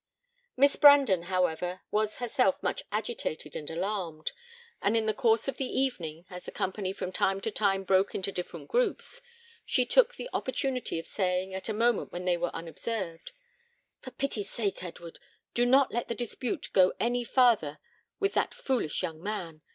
Miss Brandon, however, was herself much agitated and alarmed; and in the course of the evening, as the company from time to time broke into different groups, she took the opportunity of saying, at a moment when they were unobserved, "For pity's sake, Edward, do not let the dispute go any farther with that foolish young man.